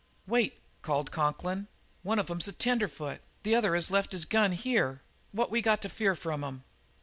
"Wait!" called Conklin. "One of 'em's a tenderfoot. The other has left his gun here. What we got to fear from 'em?"